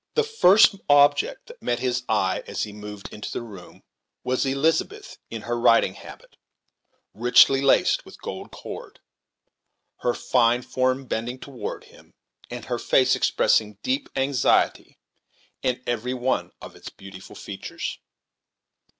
The first object that met his eye, as he moved into the room, was Elizabeth in her riding habit, richly laced with gold cord, her fine form bending toward him, and her face expressing deep anxiety in every one of its beautiful features.